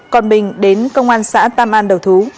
còn bình đến công an xã tam an đầu thú